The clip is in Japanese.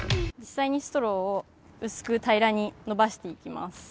実際にストローを薄く平らに延ばしていきます。